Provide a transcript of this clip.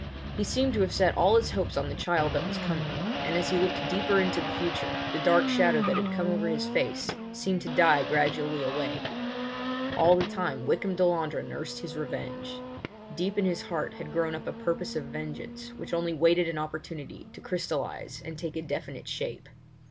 He seemed to have set all his hopes on the child that was coming, and as he looked deeper into the future the dark shadow that had come over his face seemed to die gradually away. All the time Wykham Delandre nursed his revenge. Deep in his heart had grown up a purpose of vengeance which only waited an opportunity to crystallise and take a definite shape.